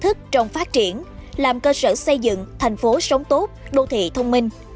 thức trong phát triển làm cơ sở xây dựng thành phố sống tốt đô thị thông minh